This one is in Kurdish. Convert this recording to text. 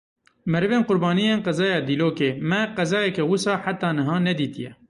Merivên qurbaniyên qezaya Dîlokê; me qezayeke wisa heta niha nedîtiye.